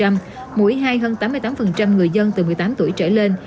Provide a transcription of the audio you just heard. mỗi hai hơn tám mươi tám người dân từ một mươi tám tuổi trở lên